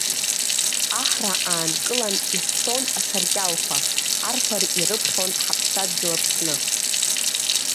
Аҳра аанкылан иҳәҳәон асаркьалқәа, арԥар ирыԥхьон Ҳаԥсадгьыл Аԥсны.